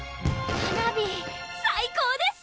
花火最高です！